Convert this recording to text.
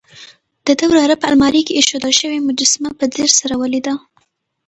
د ده وراره په المارۍ کې اېښودل شوې مجسمه په ځیر سره ولیده.